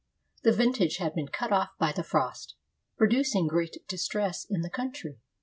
The vintage had been cut off by the frost, producing great distress in the country.